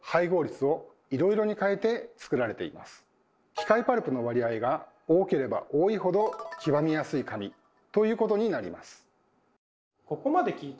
機械パルプの割合が多ければ多いほど黄ばみやすい紙ということになります。